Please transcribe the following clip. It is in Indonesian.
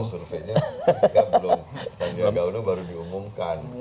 itu surveinya ketika belum sandiaga unum baru diumumkan